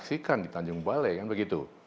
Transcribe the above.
saksikan di tanjung balai kan begitu